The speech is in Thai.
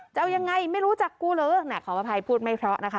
จะเอายังไงไม่รู้จักกูเหรอขออภัยพูดไม่เพราะนะคะ